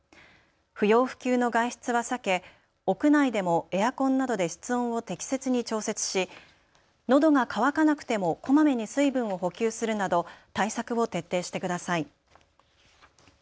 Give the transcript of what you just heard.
不要不急の外出は避け屋内でもエアコンなどで室温を適切に調節しのどが渇かなくてもこまめに水分を補給するなど対策を徹底してください。